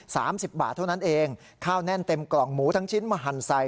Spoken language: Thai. สามสิบบาทเท่านั้นเองข้าวแน่นเต็มกล่องหมูทั้งชิ้นมาหั่นใส่